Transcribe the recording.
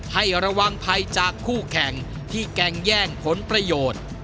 ให้ระวังภัยจากคู่แข่งที่แกล้งแย่งผลประโยชน์